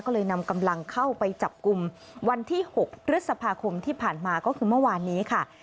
ก็เลยนำกำลังเข้าไปจับกลุ่มวันที่๖พฤษภาคมที่ผ่านมาก็คือเมื่อวานนี้ค่ะ